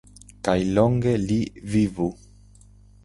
kaj longe li vivu!